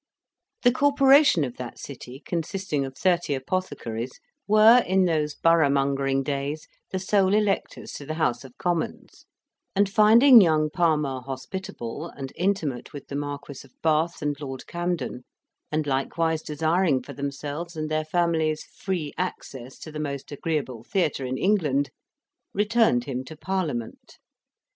The corporation of that city, consisting of thirty apothecaries, were, in those borough mongering days, the sole electors to the House of Commons, and finding young Palmer hospitable, and intimate with the Marquis of Bath and Lord Camden, and likewise desiring for themselves and their families free access to the most agreeable theatre in England, returned him to Parliament.